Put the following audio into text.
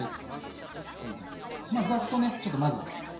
まあざっとねちょっと混ぜときます。